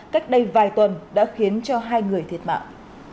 cách đây vài tuần đã khiến cho hai người thiệt mạng